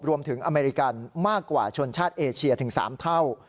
อเมริกันมากกว่าชนชาติเอเชียถึง๓เท่า